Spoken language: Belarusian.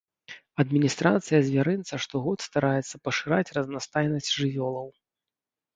Адміністрацыя звярынца штогод стараецца пашыраць разнастайнасць жывёлаў.